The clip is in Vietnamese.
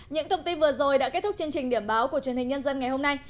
những thông tin vừa rồi đã kết thúc chương trình điểm báo của truyền hình nhân dân ngày hôm nay